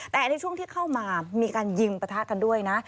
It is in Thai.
แต่ในช่วงที่เข้ามามีการยิงปะทะกันด้วยนะ